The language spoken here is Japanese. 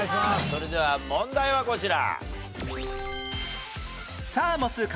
それでは問題はこちら。